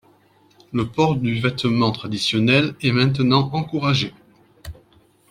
Le port du vêtement traditionnel est maintenant encouragé.